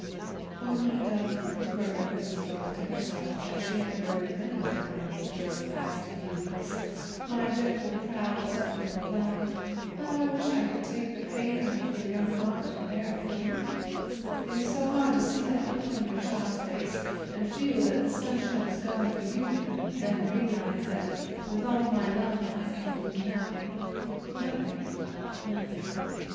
"Oh! my dove," murmured Mrs. Bowen to herself, as she had murmured many a time during the past few weeks; "my gentle, proud, suffering flower, how I wish I could take the pain out of your young heart and bear it for you; it is so hard to see that look on your child face, and feel that the sunshine is gone for you, and then realize that with all my love I can do nothing–nothing, nothing.